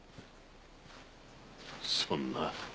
そんな。